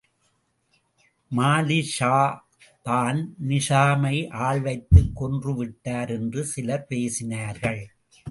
மாலிக்ஷாதான் நிசாமை ஆள் வைத்துக் கொன்றுவிட்டார் என்று சிலர் பேசினார்கள்.